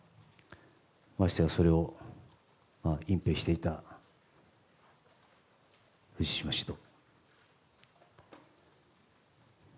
ましてやそれを隠ぺいしていた藤島氏と。